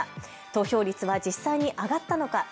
投票率は実際に上がったのか。